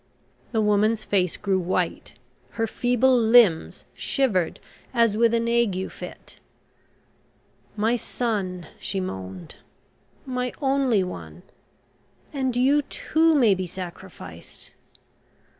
The woman's face grew white, her feeble limbs shivered as with an ague fit. "My son," she moaned, "my only one and you, too, may be sacrificed.